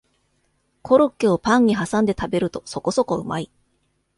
コロッケをパンにはさんで食べるとそこそこうまい